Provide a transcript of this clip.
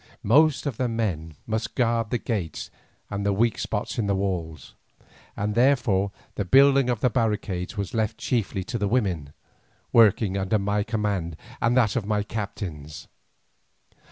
Most of the men must guard the gates and the weak spots in the walls, and therefore the building of the barricades was left chiefly to the women, working under my command and that of my captains.